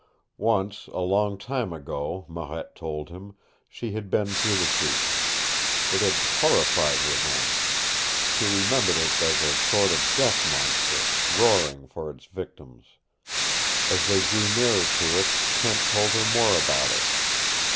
Once, a long time ago, Marette told him, she had been through the Chute. It had horrified her then. She remembered it as a sort of death monster, roaring for its victims. As they drew nearer to it, Kent told her more about it.